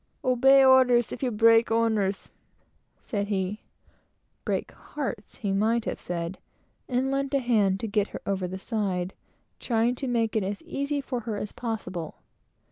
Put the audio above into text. "Obey orders, if you break owners!" said he. "Break hearts," he meant to have said; and lent a hand to get her over the side, trying to make it as easy for her as possible.